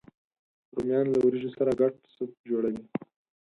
رومیان له ورېجو سره ګډ سوپ جوړوي